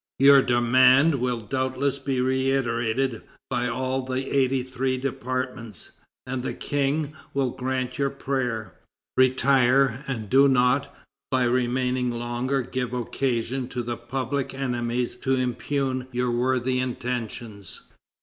Your demand will doubtless be reiterated by all the eighty three departments, and the King will grant your prayer. Retire, and do not, by remaining longer, give occasion to the public enemies to impugn your worthy intentions."